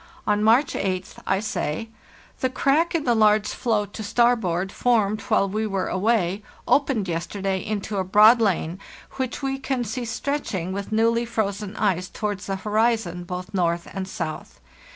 On March 8th I say: " The crack in the large floe to starboard, formed while we were away, opened yesterday into a broad lane, which we can see stretching with new ly frozen ice towards the horizon, both north and south.